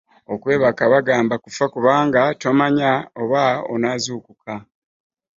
Okwebaka bagamba kufa kubanga tomanya oba onaazuukuka.